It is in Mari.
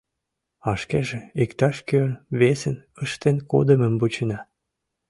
А шкеже иктаж-кӧн весын ыштен кодымым вучена.